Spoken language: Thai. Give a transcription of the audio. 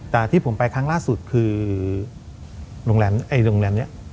แต่ที่ผมไปครั้งล่าสุดคือโรงแรมไอ้โรงแรมเนี้ย